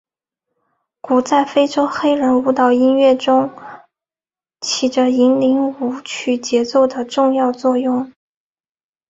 鼓在非洲黑人舞蹈音乐中起着引领舞曲节奏的重要作用。